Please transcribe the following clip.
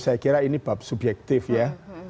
saya kira ini bab subjektif ya